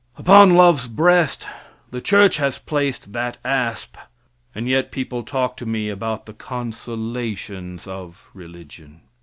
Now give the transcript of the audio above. Upon love's breast the church has placed that asp, and yet people talk to me about the consolations of religion.